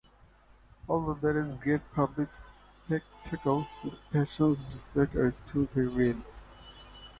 Although there is great public spectacle, the passions displayed are still very real.